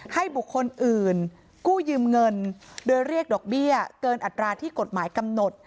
ให้บุคคลอื่นกู้ยืมเงินโดยเรียกดอกเบี้ยเกินอัตราที่กฎหมายกำหนด